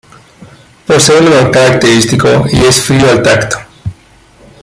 Posee un olor característico y es frío al tacto.